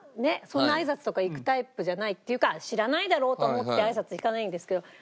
そんな挨拶とか行くタイプじゃないっていうか知らないだろうと思って挨拶行かないんですけど。